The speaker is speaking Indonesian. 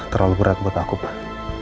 terlalu berat buat aku lah